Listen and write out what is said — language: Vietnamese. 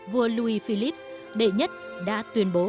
vua louis philippe i đã tuyên bố